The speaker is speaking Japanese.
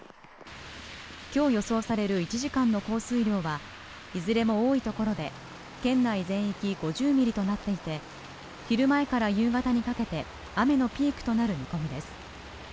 きょう予想される１時間の降水量はいずれも多いところで県内全域５０ミリとなっていて昼前から夕方にかけて雨のピークとなる見込みです